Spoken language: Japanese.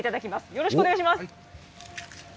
よろしくお願いします。